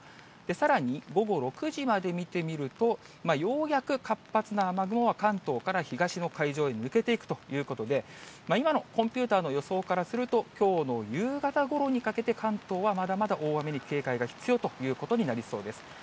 さらに午後６時まで見てみると、ようやく活発な雨雲は関東から東の海上へ抜けていくということで、今のコンピューターの予想からすると、きょうの夕方ごろにかけて、関東はまだまだ大雨に警戒が必要ということになりそうです。